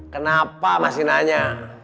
kenapa masih nanya